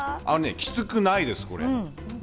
きつくないです、これ。